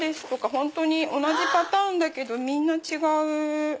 本当に同じパターンだけどみんな違う。